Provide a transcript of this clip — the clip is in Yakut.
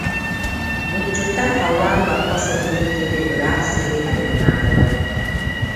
Булчуттар халлаан лаппа сырдыар диэри ыраах сири айаннаатылар